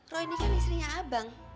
roy ini kan istrinya abang